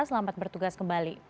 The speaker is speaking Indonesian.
selamat bertugas kembali